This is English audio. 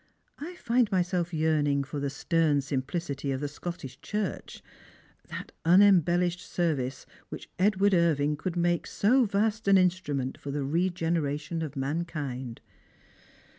I hud myself yearning for the stern simplicity of thp Scottish Ch irch — that unembellished service which Edward living could make so vast an instrument for the regeneration ot rnaukind.